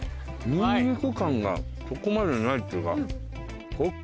ニンニク感がそこまでないっていうか。